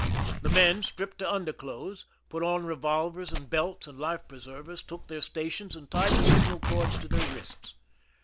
The men, stripped to under clothes, put on revolvers and belts and life preser vers, took their stations, and tied the signal cords to their wrists.